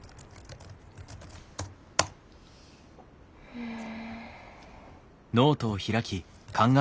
うん。